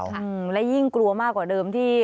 ค่ะและยิ่งกลัวมากกว่าเดิมที่